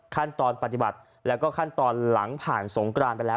ขั้นตอนปฏิบัติแล้วก็ขั้นตอนหลังผ่านสงกรานไปแล้ว